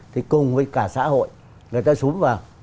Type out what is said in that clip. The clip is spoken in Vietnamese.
thì cùng với cả xã hội người ta xuống vào